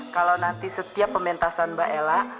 kalau nanti setiap pementasan mbak ella